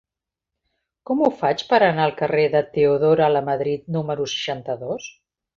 Com ho faig per anar al carrer de Teodora Lamadrid número seixanta-dos?